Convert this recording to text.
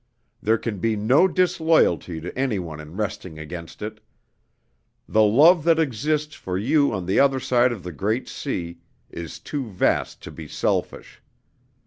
There can be no disloyalty to any one in resting against it. The love that exists for you on the other side of the Great Sea is too vast to be selfish.